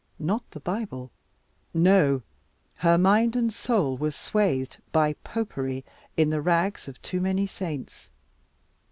Not the Bible. No, her mind and soul were swathed by Popery in the rags of too many saints.